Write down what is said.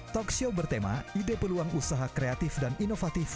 talkshow bertema ide peluang usaha kreatif dan inovatif